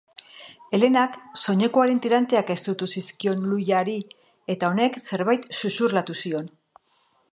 Elenak soinekoaren tiranteak estutu zizkion Luiari eta honek zerbait xuxurlatu zion.